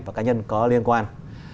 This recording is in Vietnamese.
và cá nhân có liên quan